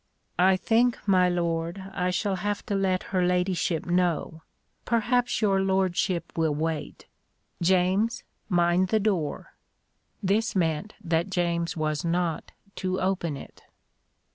"I think, my lord, I shall have to let her ladyship know perhaps your lordship will wait. James, mind the door." This meant that James was not to open it.